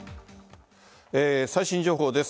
最新情報です。